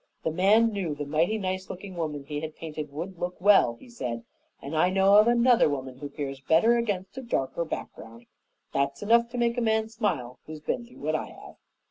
"The man knew the mighty nice looking woman he had painted would look well," he said, "and I know of another woman who appears better against a darker background. That's enough to make a man smile who has been through what I have."